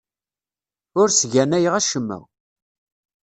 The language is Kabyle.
Ur ssganayeɣ acemma.